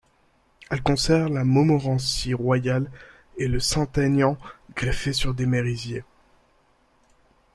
Elle concerne la Montmorency royale et de Saint-Aignan greffées sur des merisiers.